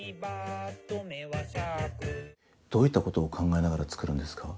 どういったことを考えながら作るんですか？